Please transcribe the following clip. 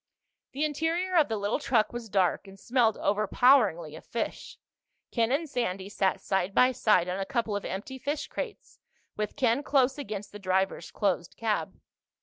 The interior of the little truck was dark and smelled overpoweringly of fish. Ken and Sandy sat side by side on a couple of empty fish crates, with Ken close against the driver's closed cab.